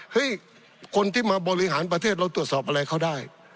คนที่มาบริหารประเทศเราตรวจสอบอะไรเขาได้